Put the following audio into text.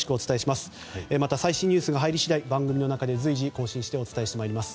また、最新ニュースが入り次第番組内で随時更新してお伝えいたします。